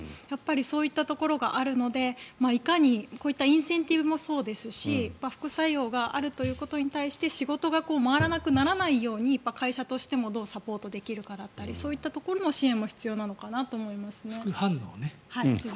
やっぱりそういったところがあるのでいかに、こういったインセンティブもそうですし副作用があるということに対して仕事が回らなくならないように会社としてもどうサポートできるかだったりそういう支援も必要かなと思いますね。